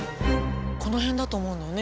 このへんだと思うのよね